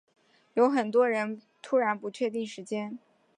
有很多人突然不确定时间